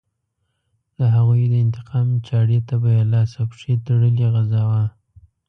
د هغوی د انتقام چاړې ته به یې لاس او پښې تړلې غځاوه.